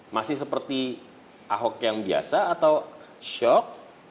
masih seperti ahok yang biasa atau shock